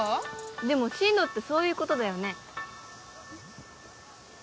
でも進路ってそういうことだよね